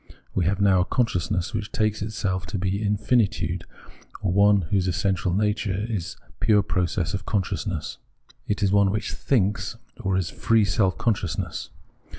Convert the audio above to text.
We have now a consciousness, which takes itself to be infinitude, or one whose essential nature is pure process of conscious ness. It is one which thinhs or is free self consciousness.